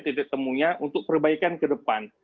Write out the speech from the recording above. titik temunya untuk perbaikan ke depan